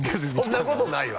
そんなことないわ。